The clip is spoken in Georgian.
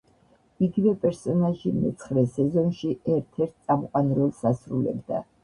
იგივე პერსონაჟი მეცხრე სეზონში ერთ-ერთ წამყვან როლს ასრულებდა.